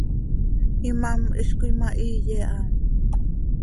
Imám hizcoi ma hiiye ha.